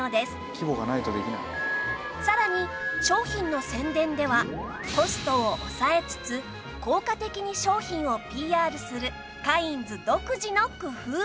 さらに商品の宣伝ではコストを抑えつつ効果的に商品を ＰＲ するカインズ独自の工夫が！